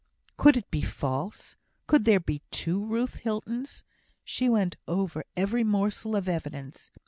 Could it be false? Could there be two Ruth Hiltons? She went over every morsel of evidence.